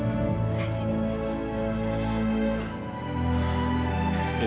terima kasih dokter